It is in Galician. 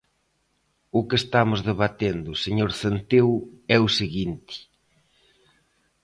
O que estamos debatendo, señor Centeo, é o seguinte.